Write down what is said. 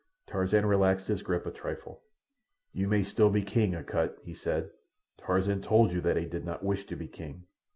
Tarzan relaxed his grip a trifle. "You may still be king, Akut," he said. "Tarzan told you that he did not wish to be king.